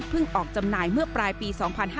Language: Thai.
เพิ่งออกจำหน่ายเมื่อปลายปี๒๕๖๐